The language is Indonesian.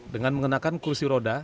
dengan mengenakan kursi roda